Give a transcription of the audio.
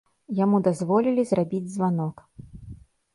Яму дазволілі зрабіць званок.